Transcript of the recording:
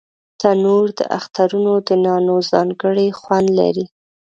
تنور د اخترونو د نانو ځانګړی خوند لري